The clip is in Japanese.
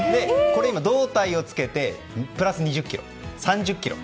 胴体をつけてプラス２０ｋｇで３０ｋｇ。